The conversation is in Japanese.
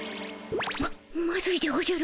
ままずいでおじゃる。